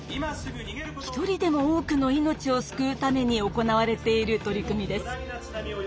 一人でも多くの命を救うために行われている取り組みです。